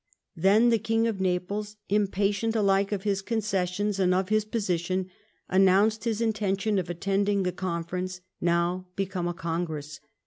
Then the King of Na])lcs, impatient alike of his concessions and of his position, announced his intention of attending the Conference, now become a Congress.